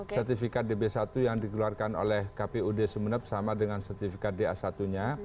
sertifikat db satu yang dikeluarkan oleh kpud sumeneb sama dengan sertifikat da satu nya